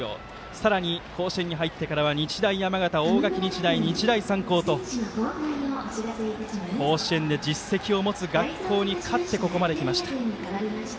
さらに甲子園に入ってから日大山形、大垣日大日大三高と甲子園で実績を持つ学校に勝ってここまできました。